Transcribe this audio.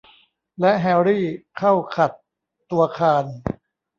และแฮรี่เข้าขัดตัวคาน